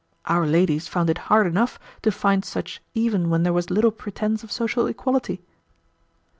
Our ladies found it hard enough to find such even when there was little pretense of social equality."